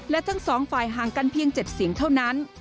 และทั้งสองฝ่ายห่างกันเพียง๗เสียงเท่านั้น